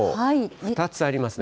２つありますね。